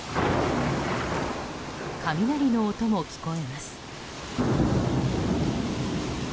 雷の音も聞こえます。